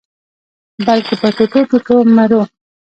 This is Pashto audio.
بلکي په ټوټو-ټوټو مرو